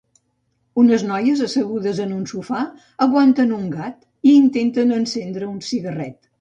Unes noies assegudes en un sofà aguanten un gat i intenten encendre un cigarret.